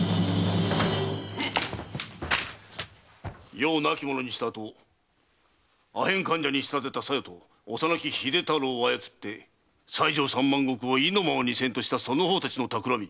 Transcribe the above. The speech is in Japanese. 余を亡き者にしたあと阿片患者に仕立てた小夜と幼き秀太郎を操って西条三万石を意のままにせんとしたその方たちの企み